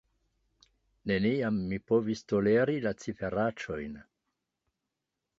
Neniam mi povis toleri la ciferaĉojn.